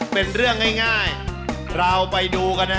เป็นเรื่องง่ายเราไปดูกันนะ